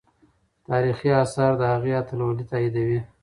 تاریخي آثار د هغې اتلولي تاییدوي.